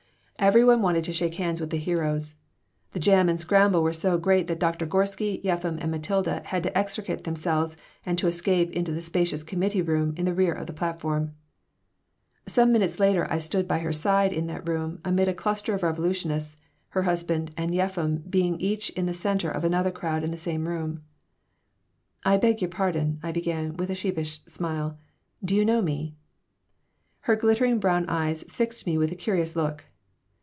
Everybody wanted to shake hands with the heroes. The jam and scramble were so great that Doctor Gorsky, Yeffim, and Matilda had to extricate themselves and to escape into the spacious committee room in the rear of the platform Some minutes later I stood by her side in that room, amid a cluster of revolutionists, her husband and Yeffim being each the center of another crowd in the same room "I beg your pardon," I began, with a sheepish smile. "Do you know me." Her glittering brown eyes fixed me with a curious look.